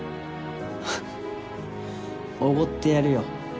フッおごってやるよ。